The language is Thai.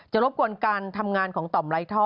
รบกวนการทำงานของต่อมไร้ท่อ